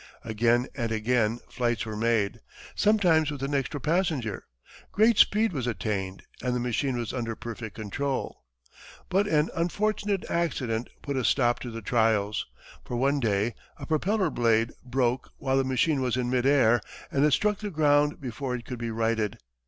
Again and again flights were made, sometimes with an extra passenger; great speed was attained and the machine was under perfect control. But an unfortunate accident put a stop to the trials, for one day a propellor blade broke while the machine was in mid air, and it struck the ground before it could be righted.